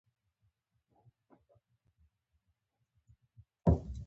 چې پسرلى يې له شين دسمال سره تشبيه کړى دى .